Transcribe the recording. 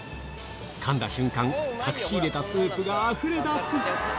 かんだ瞬間、隠し入れたスープがあふれ出す。